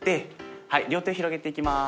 はい両手を広げていきます。